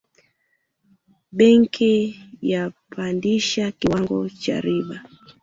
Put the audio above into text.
Benki yapandisha kiwango cha riba